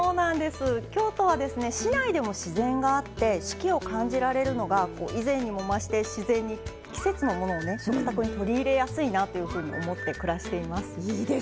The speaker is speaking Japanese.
京都は市内でも自然があって四季を感じられるのが以前にも増して自然に季節のものを食卓に取り入れやすいなと思って暮らしています。